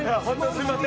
すいません